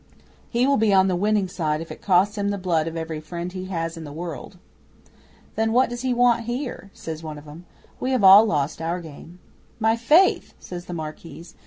"He will be on the winning side if it costs him the blood of every friend he has in the world." '"Then what does he want here?" says one of 'em. "We have all lost our game." '"My faith!" says the Marquise.